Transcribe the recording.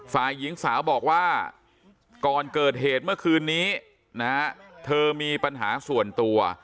ฝ่ายหญิงสาวบอกว่าก่อนเกิดเหตุเมื่อคืนนี้นะฮะเธอมีปัญหาส่วนตัว